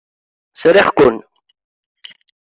Sriɣ-ken.